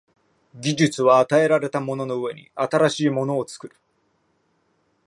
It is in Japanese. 技術は与えられたものの上に新しいものを作る。